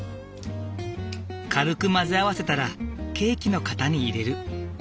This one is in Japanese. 軽く混ぜ合わせたらケーキの型に入れる。